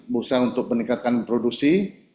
berusaha untuk meningkatkan produksi